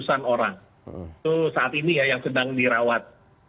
itu enam ratus an orang itu saat ini yang sedang dirawat